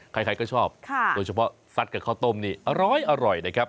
ใครก็ชอบโดยเฉพาะซัดกับข้าวต้มนี่อร้อยนะครับ